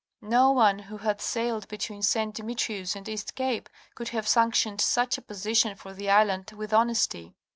No one who had sailed between St. Demetrius and East Cape could have sanctioned such a position for the island with honesty.